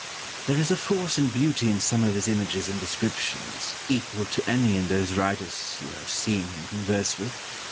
There is a force and beauty in some of his images and descriptions, equal to any in those writers you have seen him converse with.